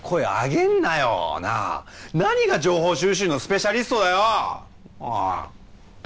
何が情報収集のスペシャリストだよ！